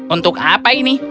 untuk apa ini